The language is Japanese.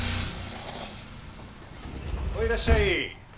いらっしゃい。